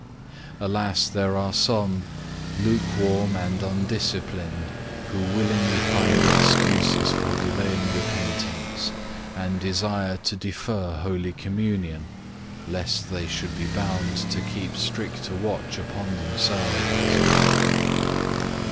Alas! there are some, lukewarm and undisciplined, who willingly find excuses for delaying repentance, and desire to defer Holy Communion, lest they should be bound to keep stricter watch upon themselves.